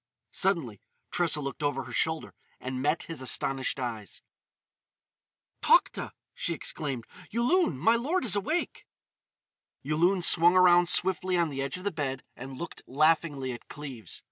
Suddenly Tressa looked over her shoulder and met his astonished eyes. "Tokhta!" she exclaimed. "Yulun! My lord is awake!" Yulun swung around swiftly on the edge of the bed and looked laughingly at Cleves.